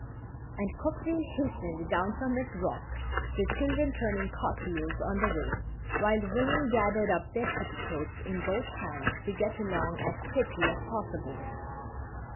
And Coqueville hastened down from its rock, the children turning cartwheels on the way, while the women gathered up their petticoats in both hands to get along as quickly as possible.